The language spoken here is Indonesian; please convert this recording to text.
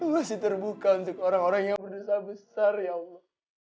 masih terbuka untuk orang orang yang berdosa besar ya allah